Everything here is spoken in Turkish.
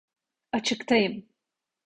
Açıktayım!